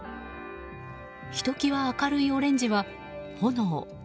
ひときわ明るいオレンジは炎。